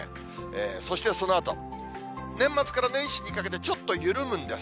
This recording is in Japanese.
そしてそのあと、年末から年始にかけてちょっと緩むんです。